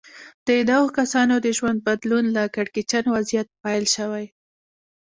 د دغو کسانو د ژوند بدلون له کړکېچن وضعيت پيل شوی.